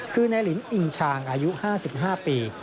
คือนายลินอิงชางอายุ๕๕ปี